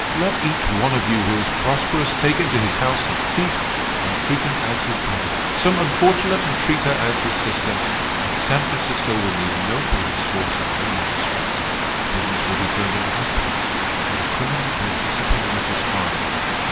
Let each one of you who is prosperous take into his house some thief and treat him as his brother, some unfortunate and treat her as his sister, and San Francisco will need no police force and no magistrates; the prisons will be turned into hospitals, and the criminal will disappear with his crime.